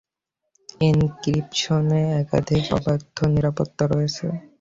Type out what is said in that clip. এনক্রিপশনে একাধিক অব্যর্থ-নিরাপত্তা রয়েছে।